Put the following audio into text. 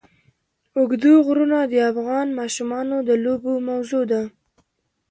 اوږده غرونه د افغان ماشومانو د لوبو موضوع ده.